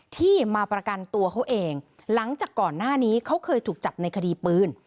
ที่มาประกันตัวเขาเองหลังจากก่อนหน้านี้เขาเคยถูกจับในคดีปืน